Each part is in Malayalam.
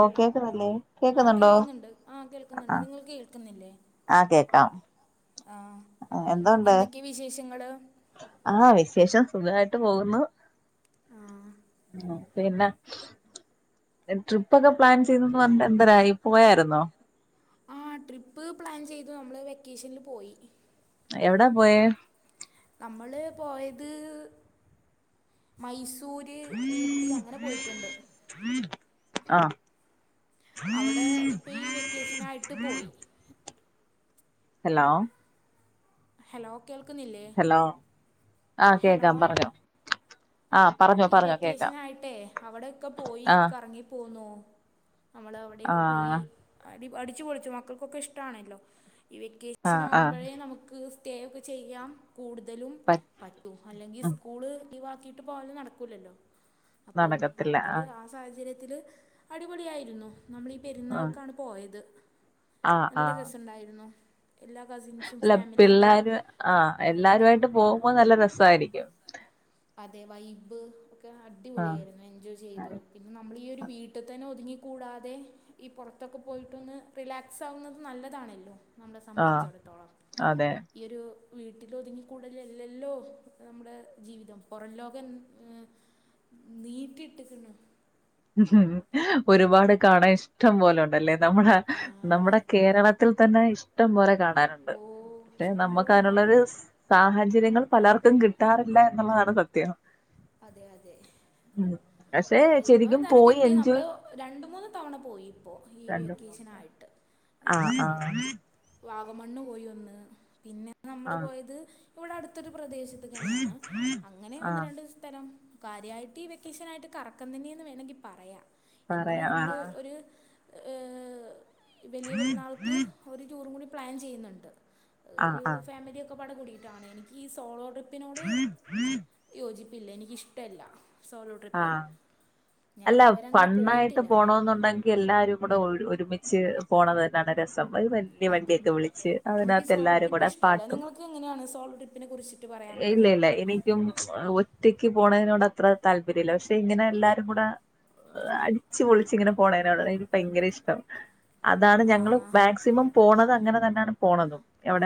ഹലോ കേക്കുന്നില്ലേ ആ കേക്കുന്നുണ്ടോ കേൾക്ക്ന്ന്ണ്ട് ആ കേൾക്ക്ന്ന്ണ്ട് ആഹ് നിങ്ങൾക്ക് കേൾക്കുന്നില്ലേ ആഹ് കേക്കാം ആ എന്തൊക്കെ വിശേഷങ്ങള് ആ വിശേഷം സുഖായിട്ട് പോകുന്നു ആ ആഹ് പിന്നെ ട്രിപ്പൊക്കെ പ്ലാൻ ചെയ്തന്ന് പറഞ്ഞിട്ട് എന്തരായി പോയാരുന്നോ ആ ട്രിപ്പ് പ്ലാൻ ചെയ്തു നമ്മള് വെക്കേഷനിൽ പോയി എവിടാ പോയെ നമ്മള് പോയത് മൈസൂ സൂര്, ഊട്ടി അങ്ങനെ പോയിട്ടുണ്ട് ആഹ് അവിടെ ഇപ്പ ഈ വെക്കേഷനായിട്ട് പോയി ഹലോ ഹലോ കേൾക്കുന്നില്ലേ ഹലോ ആഹ് ഹലോ കേക്കാം പറഞ്ഞോ ആഹ് പറഞ്ഞോ ഈ പറഞ്ഞോ കേക്കാം വെക്കേഷനായിട്ടെ അവിടൊക്ക പോയി ആഹ് കറങ്ങി പോന്നോ നമ്മള് അവിടെക്ക പോയി ആഹ് അ ദീ അടിച്ച്പൊളിച്ചു മക്കൾക്കൊക്ക ഇഷ്ടാണല്ലോ ഈ ആഹ് ആഹ് വെക്കേഷനാകുമ്പഴേ നമുക്ക് ത്തേയൊക്ക ചെയ്യാം കൂടുതലും പറ്റ് പറ്റും അല്ലെങ്കി ഉം സ്കൂള് ലീവ ക്കിട്ട് പോകല് നട ക്കൂലല്ലോ അപ്പോ നടക്കത്തില്ല അതില് ആഹ് ആ സാഹചര്യ ത്തില് അടിപൊളിയായിരുന്നു നമ്മളി ആഹ് പെരുന്നാൾക്കാണ് പോയത് ആഹ് നല്ല ആഹ് രസുണ്ടായിരുന്നു അല്ല പിള്ളാര് ആഹ് ആയിട്ട് എല്ലാരുമായിട്ട് പോകുമ്പോ നല്ല രസായിരിക്കും അതെ വൈബ് ഒക്കെ ആഹ് അടിപൊളിയായിരുന്നു എൻജോയ് ചെയ്തു പിന്നെ നമ്മളീ ഒരു വീട്ടിൽ തന്നെ ഒതുങ്ങി കൂടാതെ ഈ പുറത്തൊക്കെ പോയിട്ടൊന്ന് റിലാക്സ് ആകുന്നത് നല്ലതാണല്ലോ നമ്മളെ ആഹ് സമ്മതിച്ചിടത്തോളം അതെ ഈ ഒരു വീട്ടിലൊതുങ്ങികൂടല്ലല്ലല്ലോ നമ്മുടെ ജീവിതം പൊറം ലോകം നീട്ടി ഇട്ടക്ക്ണ് ഒരുപാട് കാണാൻ ഇഷ്ടം പോലെ ഉണ്ടല്ലേ നമ്മുട ആ നമ്മുടെ അതെ കേരളത്തിൽ തന്നെ ഇഷ് ഷ്ടംപോലെ കാ നുണ്ട് ഓ പക്ഷെ നമുക്ക് ഇഷ്ടംപോലെ അതിനുള്ളൊരു കാണാനുണ്ട് സാഹചര്യങ്ങൾ പലർക്കും കിട്ടാറില്ല എന്നുള്ളതാണ് സത്യം അതെ അതെ പക്ഷേ ശെരിക്കും [unintelligible] കിട്ടി നമ്മള് രണ്ട് മൂന്ന് തവണ പോയി ഇപ്പോ ഈ രണ്ട് വെക്കേഷനായിട്ട് ആഹ് ആ വാഗമണ്ണ് പോയ് വന്ന് പിന്നെ ആഹ് നമ്മള് ആഹ് പോയത് ഇവിടെ അടുത്തൊരു പ്രദേശത്ത് തന്നെയാണ് അങ്ങനെ ഒന്ന് ആഹ് രണ്ട് കാര്യായിട്ട് ഈ വെക്കേഷൻ ആയിട്ട് കറക്കം തന്നെയന്ന് വേണങ്കി പറയാ പറയാം ആ വലിയ പെരുന്നാൾക്ക് ഒരു ടൂറും കൂടി പ്ലാൻ ചെയ്യുന്നുണ്ട് ആഹ ആഹ പ്പട കൂടിയിട്ടാണ് എനിക്ക് ഈ സോളോട്രി പ്പിനോട് ആഹ് യോജി പ്പില്ല എനിക്കിഷ്ടല്ല ആഹ് അല്ല ഇതുവരെ അങ്ങനെ ഫണ്ണായിട്ട് പോയിട്ടില്ല പോണോന്നുണ്ടെങ്കിൽ എല്ലാരും കൂടെ ഒരു ഒരുമിച്ച് പോണത് തന്നെയാണ് രസം അപ്പോ വെല്ല്യ അതെ വണ്ടിയൊക്കെ വിളിച്ച് എനിക്ക് അതിനാത്ത് സോളോ എല്ലാരും ട്രിപ്പ് കൂടെ ഇഷ്ടമല്ല പാട്ടും നിങ്ങൾക്ക് എങ്ങനെയാണ് സോളോ ട്രിപ്പിനെ കുറിച്ചിട്ട് പറയാനുള്ളത് ഇല്ല ഇല്ല എനിക്കും ഒറ്റ് റ്റക്ക് പോണതിനോട് അത്ര താല്പര്യല്ല പക്ഷെ ഇങ്ങനെ എല്ലാരും കൂടെ അടിച്ച് പൊളിച്ചിങ്ങനെ പോണേനോട് എനിക്ക് ഭയങ്കര ഇഷ്ടം അതാണ് ആ, ഞങ്ങള് മാക്സിമം പോണത് അങ്ങനെ തന്നെ ആ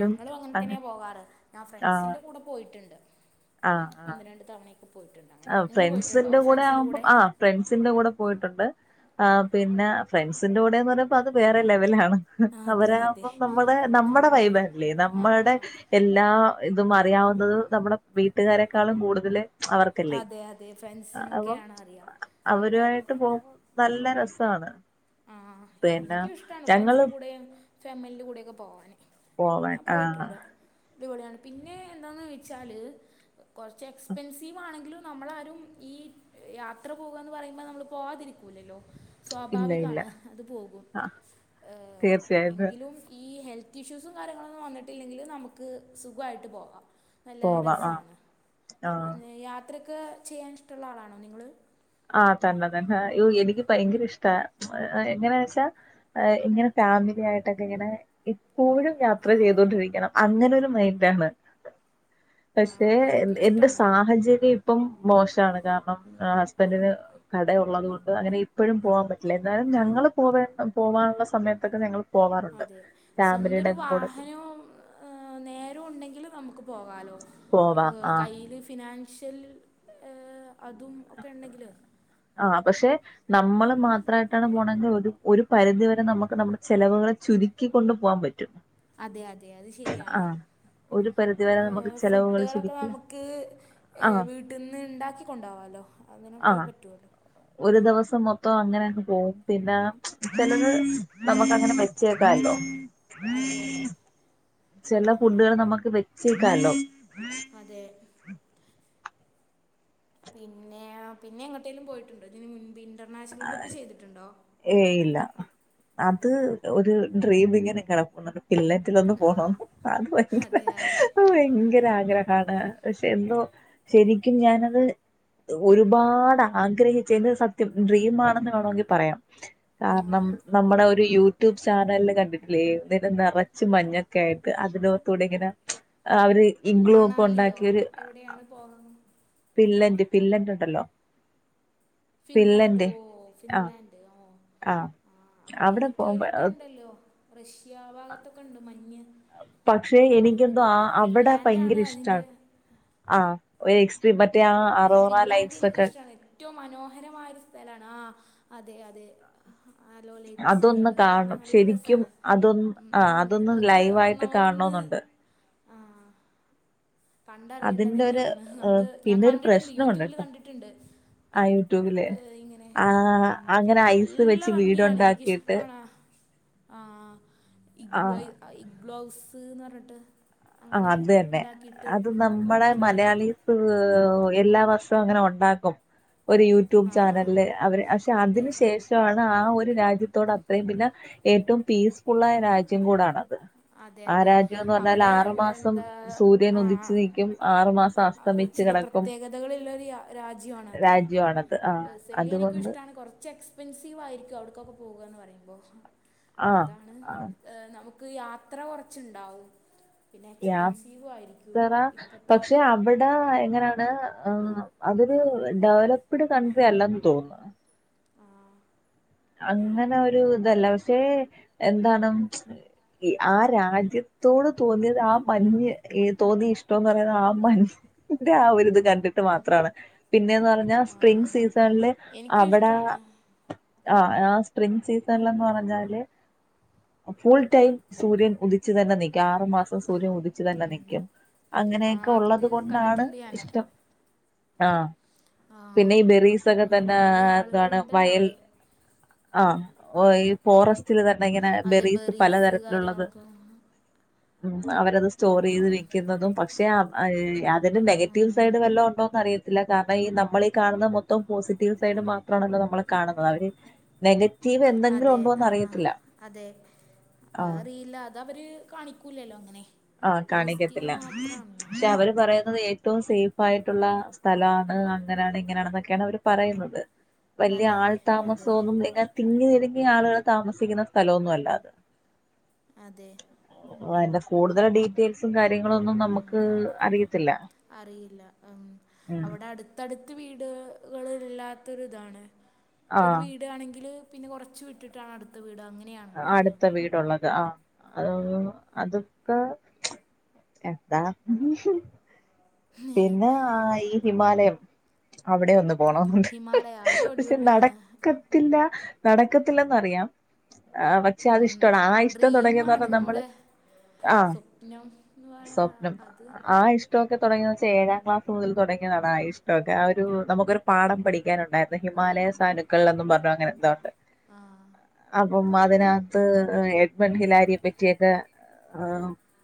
ഞങ്ങളും അങ്ങനെ അങ്ങ് തന്നെയാ പോകാറ് ഞാൻ ആഹ് ഫ്രണ്ട്സിന്റെ കൂടെ പോയിട്ടുണ്ട് ഒന്ന് രണ്ട് തവണയെ ആ ഫ്രണ്ട്സിന്റെ കൂടെ ആവുമ്പം ആ ഫ്രണ്ട്സിന്റെ കൂടെ പോയിട്ടുണ്ട് ആ പിന്നെ ഫ്രണ്ട്സിന്റെ കൂടെന്ന് പറയുമ്പ അത് വേറെ ലെവലണ് ആ, അതെ അതെ അവരാകുമ്പം നമ്മുടെ നമ്മുടെ വൈബല്ലേ ആ, നമ്മുടെ എല്ലാ ഇതുമാ അറിയാവുന്നത് നമ്മളെ വീട്ടു കാരെകാളും കൂടുതല് അവ അതെ അതെ ഫ്രണ്ട്സിനൊക്കെയാണ് അറിയാ നമ്മടെ രസവാണ് ആഹ് എനിക്കും ഇഷ്ട്ടാണ് ഫ്രണ്ട്സിന്റെ കൂടെയും ഫെമ്മിലിൻ്റെ കൂടെ ഒക്കെ പോവാന് പോവാൻ ഞാൻ ആഹ് പോയിട്ടുണ്ട് അടിപൊളിയാണ് പിന്നെ എന്താെന്ന് വെച്ചാൽ കുറച്ച് എക്സ്പെൻസീവാണെങ്കിലും നമ്മളാരും ഈ യാത്ര പോകാന്ന് പറയുമ്പോൾ നമ്മൾ പോവാതിരിക്കൂല്ലല്ലോ ഇല്ല സ്വാഭാവി ഇല്ല ആണ് അത് പോകും ആഹ് തീർച്ചയായിട്ടും എങ്കിലും ഈ ഹെൽ ഹെൽത്ത് ഇഷ്യൂസും കാര്യങ്ങളൊന്നും വന്നിട്ടില്ലെങ്കിൽ നമുക്ക് സുഖായിട്ട് പോകാം നല്ല പോവാം ആഹ് രസവാണ് ആഹ് യാത്ര ത് ചെയ്യാൻ ഇഷ്ടമുള്ള ആളാണോ നിങ്ങള് ആ തന്നെ തന്നെ യ്യോഎനിക്ക് ഭയങ്കര ഇഷ്ട എങ്ങനാ വച്ചാ ഇങ്ങനെ ഫാമിലി ആയിട്ടൊക്കെ ഇങ്ങനെ എപ്പോഴും യാത്ര ആ ചെയ്തോണ്ടിരിക്കണം അങ്ങനെ ഇതിലും [unintelligible] ആ പക്ഷെ എ എനിക്കും എന്റെ ഇഷ്ടമാണ് സാഹചര്യം ഇപ്പം മോശാണ് കാരണം ങാ പ്പം അപ്പന് കട ഉള്ളത് കൊണ്ട് അങ്ങനെ ഇപ്പോഴും പോവാൻ പറ്റില്ല എന്നാലും ഞങ്ങൾ പോവേ പോവാനുള്ള സമയത്തൊക്കെ ഞങ്ങള് അതെ സ്വന്ത ഒരു പോ- വാഹനവും നേരോ ഉണ്ടെങ്കിലും നമുക്ക് പോകാലോ? പോവാം ആഹ് കയ്യില് ഫിനാൻ ക്ഷൽ ഏ ആ പക്ഷെ നമ്മള് മാത്രായിട്ടാണ് പോണെങ്കി ഒരു ഒരു പരിധി വ നമുക്ക് നമ്മുടെ ചെലവുകളെ ചുരുക്കിക്കൊണ്ടു പോകാൻ പറ്റും അതെ അതെ അതെ അത് ശരിയാണ് ആഹ് ഒരു പരിധിവരെ നമുക്ക് ചെലവുകൾ ഫുഡുകളൊക്കെ ചുരുക്കി നമുക്ക് ആഹ് വീട്ടിൽന്ന് ഉണ്ടാക്ക കൊൊണ്ടാവാല്ലോ അതിനൊക്കെ ആഹ് പറ്റുവല്ലോ ഒരു ദിവസം മൊത്തം അങ്ങനെക്കെ പോകും പിന്നെ ഇ ചെലത് നമുക്ക് അങ്ങനെ മെച്ചേക്കാല്ലോ [inaudible] അതെ ചെല ഫുഡുകൾ നമ്മുക്ക് വെച്ചേക്കാല്ലോ അതെ പിന്നെ പിന്നെ എങ്ങോട്ടേലും പോയിട്ടുണ്ടോ ഇതിന് മുൻപി ആ ഏ ഇല്ല അത് ഒരു ഡ്രീമ ഇങ്ങനെ കെടക്കുന്നത് എല്ലാറ്റിലൊന്ന് ആ പോണന്ന് അത് ഭയങ്കര അതെ അതെ ഭയങ്കര ആഗ്രഹമാണ് പക്ഷെ എന്തോ ശരിക്കും ഞാന്. അത്ഒരുപാട് ആഗ്രഹിച്ചേത് സത്യം ഡ്രീം ആണെന്ന് വേണമെങ്കി പറയാം ആ, കാരണം നമ്മുടെ ഒരു യൂ യൂട്യൂബ് ചാനല് കണ്ടിട്ടില്ലേ ദേ ഇത് നിറച്ച് മഞ്ഞൊക്കെ ആയിട്ട് അതിനോത്തൂടെ ഇങ്ങനെ അവര് ഇഗ്ലൂ ഒക്കെ മണാലിയോ ഉണ്ടാക്കി ഒരു എവിടെയാണ് പോണത് പില്ലന്റെ ഉണ്ടല്ലോ ഫിൻലാൻഡ് ഓ ഫിൻലാൻഡ് ഓ ആ അവിടെ പോകുമ്പോ അമേരിക്കയിലൊക്കെ ഉണ്ടല്ലോ റഷ്യ ആ ഭാഗത്തൊക്ക ഉണ്ടോ മഞ്ഞ് പക്ഷെ എനിക്കെന്തോ കൂടുതൽ അവിടെ ഫിൻലാൻഡാണ് ഭയങ്കര അതിൻ്റെ ഇഷ്ടാണ്. ആ [unintelligible] മറ്റ ആ അറോറാ ലൈറ്റ്സ് ഒക്കെ മനോഹരമായ ഒരു സ്ഥലാണ് ആ അതെ അതെ ആലോ ലൈറ്റ്സ് അതൊന്ന് അത് കാണാൻ കാണണം നല്ല ശരിക്കും രസമാണ് അതൊന്ന് ആ അതൊന്ന് അതൊക്കെ ലൈവായിട്ട് നമ്മളൊന്ന് കാണണന്നുണ്ട് ആ കണ്ടറിയേണ്ടത് അതിന്റെ ഒരു തന്നെയാണ് നമ്മള് ഏഹ്, ഞാൻ പിന്നെ ഒരു കണ്ടിട്ടുണ്ട് പ്രശ്നമുണ്ട് യൂട്യൂബിൽ ട്ടോ കണ്ടിട്ടുണ്ട് ആ യൂട്യൂബില് ഇങ്ങനെ ആ അങ്ങനെ ഐസ് നല്ല വെച്ച് ഭംഗിയാണ് വീടുണ്ടാക്കിയിട്ട് എനിക്കിഷ്ട്ടാണ് ആഹ് ആ ഇഗ്ലു ഹൗസ് ഇഗ്ലു ന്ന് പറഞ്ഞിട്ട് ആ അങ്ങനെ അത് തന്നെ ഇണ്ടാക്കി അത് നമ്മളെ മലയാളീസ് എല്ലാ വർഷവും അങ്ങനെ ഉണ്ടാക്കും ഒരു യൂട്യൂബ് ചാനലില് അവര് പക്ഷെ അതിന് അതെ ശേഷമാണ് ആ ഒരു രാജ്യത്ത് ത്തോ അത്രയും പിന്നെ ഏറ്റവും പീസ്ഫുള്ളായ രാജ്യം കൂടാണ് അതെ അതെ അവിടെ മാസം എന്താ സൂര്യൻ ആ ഉദിച്ചു നിക്കും ആറു മാസം ഒരു അസ്തമിച്ചു ചില കിടക്കും പ്രത്യേകതകളുള്ളൊരു രാ- രാജ്യമാണത് രാജ്യമാണത് ആ പേഴ്സണലി എനിക്കും അതുകൊണ്ട് ഇഷ്ടമാണ് കുറച്ച് എക്സ്പെൻസീവ് ആയിരിക്കും അവിടക്കൊക്കെ പോവുകയന്ന് പറയുമ്പോ ആ അതാണ് ആ, ഏ നമുക്ക് ക്ക് യാത്ര കൊറച്ചുണ്ടാവും യാത്ര ഇപ്പോഴത്തെ പക്ഷെ അവിടെ എങ്ങന അതൊരു ഡെവലപ്ഡ് കൺട്രി അല്ലന്ന് തോന്നുന്നു ആ അങ്ങനെ ഒരു ഇതല്ല പക്ഷേ എന്താണ് ആ രാജ്യത്തോട് തോന്നിയത് ആ മഞ്ഞ് തോന്നി ഇഷ്ടംന്ന് പറയുന്ന ആ മഞ്ഞിന്റെ ആ ഒരു ഇത് കണ്ടിട്ട് മാത്രമാണ് പിന്നേന്ന് പറഞ്ഞാ ആ സ്പ്രിങ് സീസണില് എനിക്കും അവിടെ ഇഷ്ടമാണ് ആ ആ സ്പ്രിംഗ് സീസണിലന്ന് പറഞ്ഞാല് ഫുൾ ടൈം സൂര്യൻ ഉദിച്ചു തന്നെ നിക്ക ആറു മാസം സൂര്യൻ ഉദിച്ചു തന്നെ നിക്കും ആ അങ്ങനെയൊക്കെ അത് ഉള്ളത് കൊണ്ടാണ് കണ്ടിട്ടുണ്ട് ഞാൻ ഇഷ്ടം ആ ആ പിന്നെ ഈ ബെറീസ് ഒക്കെ തന്നെ ഒരുപാട് എന്താണ് ആളുകളുണ്ടല്ലോ വയൽ അവിടെ ആഹ്‌ ഓ ഈ ഫോറസ്റ്റില് തന്നെ എങ്ങനെ അതെ ബെറീസ് പലതരത്തിലുള്ളത് കാര്യങ്ങളൊക്കെ ഉം അവരത് സ്റ്റോർ ഉം, ചെയ്ത് വിൽക്കുന്നതും പക്ഷെ അതിന്റെ നെഗറ്റീവ് ഉം, സൈഡ് വല്ലോണ്ടോന്ന് അറിയ കാരണം ഈ നമ്മൾ ഈ കാണുന്ന മൊത്തം പോസിറ്റീവ് സൈഡ് മാത്രമാണല്ലോ നമ്മൾ കാണുന്ന അവര് നെ അതെ ആഹ് അതെ ആഹ് അറിയില്ല അത് അവര് കാണിക്കൂല്ലല്ലോ അങ്ങനെ. ആഹ് പോസിറ്റീവ് കാണിക്കത്തില്ല മാത്രമാണല്ലോ പക്ഷെ അവര് പറയ ഏറ്റവും സേഫ് ആയിട്ടുള്ള സ്ഥലമാണ് അങ്ങനെയാണ് ഇങ്ങനെയാണ് എന്നൊക്കെയാണ് അവർ പറയുന്നത്. വലിയ അതെ അതെ ആൾതാമസൊന്നും [unintelligible] തിങ്ങി തിങ്ങി ആളുകൾ താമസിക്കുന്ന സ്ഥലമൊന്നും അല്ല അത്. അതെ. ആ കൂടുതലും ഡീറ്റെയിൽസും കാ കാര്യങ്ങളൊന്നും നമുക്ക് അറിയത്തില്ല. അറിയില്ല ത്ത് വീടുകളില്ലാത്തൊരു ഇതാണ്. ഒരു ആഹ് വീടാണെങ്കില് പിന്നെ കുറച്ച് വിട്ടിട്ടാണ് അടുത്ത വീട് അങ്ങ അടുത്ത വീടുള്ളത് ആഹ് അത് അതൊക്കെ എന്താ പിന്നെ ആഹ് ഈ ഹിമാലയം അവിടെ ഒന്ന പോണുണ്ട് ഹിമാലയ അത് പക്ഷെ അടിപൊളിയാണ് നടക്കത്തില്ല നടക്കത്തില്ലെന്നറിയാം പക്ഷേ അത് ഉം ഇഷ്ടമാണ് ആ ഇഷ്ടം തുടങ്ങിയന്ന് ഡ്രീമാണ് പറഞ്ഞാ നമ്മള് നമ്മുടെ ആഹ് സ്വപ്നം എന്ന് പറയാ സ്വപ്നം അത് ആ ഇഷ്ടമൊക്കെ തുടങ്ങിയ ഏഴാം ക്ലാസ് മുതൽ തുടങ്ങിയതാണ് ആ ഇഷ്ടമൊക്കെ ആ ഒരു നമുക്ക ഒരു പാഠം പഠിക്കാനുണ്ടായിരുന്നു ഓ ഹിമാലയ സാനുക്കൾ എന്നും പറഞ്ഞു അങ്ങനെ എന്തൊണ്ട്. ആ അപ്പം അതിനകത്ത് എഡ്മഡ് ഹിലാരിയെ പറ്റിയൊക്കെ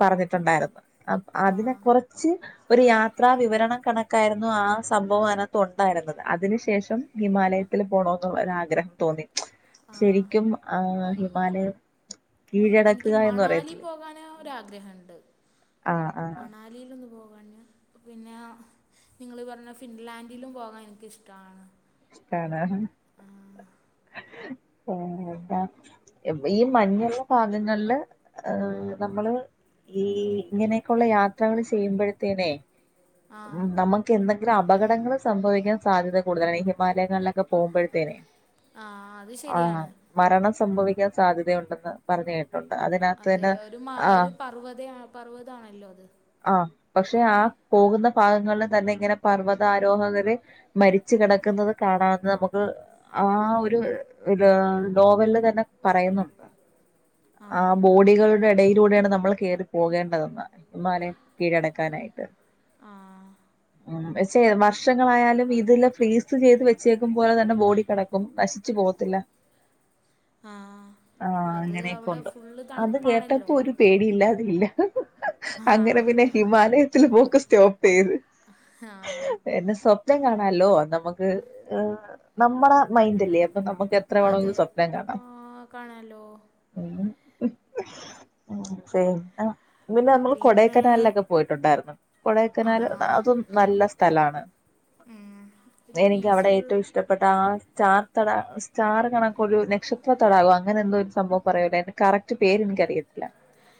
പറഞ്ഞിട്ടുണ്ടായിരുന്നു. അ ആ അതിനെ കൊറച്ച് ഒരു യാത്രാ വിവരണം കണക്കായിരുന്നു ആ സംഭവം അതിനകത്ത് ഉണ്ടായിരുന്നത് അതിനുശേഷം ഹിമാലയത്തിൽ പോകണന്നുള്ള ഒരു ആഗ്രഹം തോന്നി. ആ ശരി ആഹ് ഹിമാലയം എനിക്ക് കീഴടക്കുക എന്ന് മണാലി പറയത്തില്ലേ പോകാൻ ഒരാഗ്രഹമുണ്ട്. ആ ആ മണാലിയിലൊന്ന് പോ പിന്നെ നിങ്ങള് പറഞ്ഞ ഫിൻലാൻഡിലും പോകാൻ എനിക്കിഷ്ടമാണ്. ഇഷ്ടാണ? ആ ന്താ ഈ മഞ്ഞുള്ള ഭാഗങ്ങളില് ങ്ഹ് നമ്മള് ഈ ഇങ്ങനെയൊക്കെയുള്ള യാത്രകള് ചെയ്യുമ്പോഴത്തേനെ ആ ഉ നമുക്ക് എന്തൊ അപകടങ്ങള് സംഭവിക്കാൻ സാധ്യത കൂടുതലാണ് മലകളിലൊക്കെ പോകുമ്പോഴത്തേനെ ആഹ് അത് ആഹ് ശരിയാണ് മരണം സംഭവിക്കാൻ സാധ്യതയുണ്ടെന്ന് പറഞ്ഞ് അതെ ഒരു മാ ഒരു പർവത പർവ്വതാണല്ലോ അത് ആഹ് പക്ഷെ ആ പോകുന്ന ഭാഗങ്ങളിൽ തന്നെ ഇങ്ങനെ പർവതാരോഹകര് മരിച്ച കിടക്കുന്നത് കാണാന്ന് നമുക്ക് ആ ഒരു നോവലില് തന്നെ പറയുന്നുണ്ട് ആ ബോഡികളുടെ ഇടയിലൂടെ നമ്മൾ കേറി പോകേണ്ടതെന്ന് ഹിമാലയം കീഴടക്കാനായിട്ട് ആഹ് പക്ഷേ വർഷങ്ങളായാലും ഇതെല്ലാം ഫ്രീസ് ചെയ്ത് വെ ച്ചേക്കും പോലെ തന്നെ ബോഡി കിടക്കും നശിച്ചു പോകത്തില്ല ആ ആഹ് അത് അങ്ങനെയൊക്കെ അവിടെ ഉണ്ട് ഫുള്ള് അത് കേട്ടപ്പോ തണുപ്പാണല്ലോ ഒരു പേടിയില്ല ഇല്ല ആ അങ്ങനെ പിന്നെ ഹിമാലയത്തിൽ പോക്ക് സ്റ്റോപ്പ് ചെയ്ത് ആ എന്നെ സ് നം കാണാല്ലോ നമുക്ക് ഹ് നമ്മുടെ മൈൻഡല്ലേ അപ്പൊ നമുക്ക് എത്ര അതെ വേണമെങ്കിലും സ്വപ്നം കാണാം ആ കാണാലോ ഊം ശരി ആ പിന്നെ നമ്മൾ പിന്നെ കൊടൈക്കനാലിലൊക്കെ പോയിട്ടുണ്ടായിരുന്നു ആ കൊടൈക്കനാൽ അതും നല്ല സ്ഥലാണ് ഉം, ഒരു എനിക്ക് അവിടെ പീസ്ഫുൾ ഏറ്റവും ഇഷ്ടപ്പെട്ടാ ചാ തട ചാർ കണക്കൊരു നക്ഷത്രത്തടാകോ അങ്ങനെ എന്തോ സംഭവം പറയൂലേ അയ്ന്റെ കറക്റ്റ് പേര് എനിക്കറിയത്തില്ല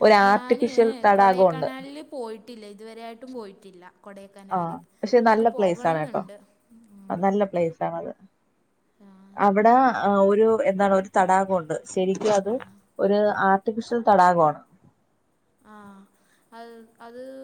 ഒരു ഞാന് ആർട്ടിഫിഷ്യൽ തടാകമുണ്ട് കൊടയക്കനാലില് പോയിട്ടില്ല ഇതുവരെയായിട്ടും പോയിട്ടില്ല കൊടൈക്കനാൽ ആഹ് പക്ഷെ നല്ല അവിടേക്ക് പോകണം പ്ലേസാണെട്ടോ എന്നുണ്ട് ആ ഉം, നല്ല പ്ലേസ് ആണത് ആ അവിടെ ആഹ് ഒരു എന്താണ് ഒരു തടാകവുണ്ട് ശരിക്കും അത് ആ ഒരു ആ ർട്ടിഫിഷൽ തടാകാണ് ആഹ് അ അത്